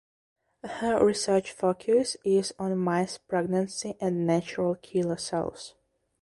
Her research focus is on mice pregnancy and natural killer cells.